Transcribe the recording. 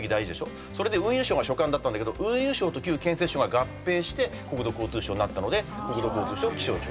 それで運輸省が所管だったんだけど運輸省と旧建設省が合併して国土交通省になったので国土交通省気象庁。